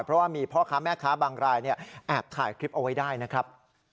เพราะว่ามีพ่อค้าแม่ค้าบางรายแอบถ่ายคลิปเอาไว้ได้นะครับ